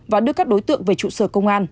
và đưa các đối tượng về trụ sở công an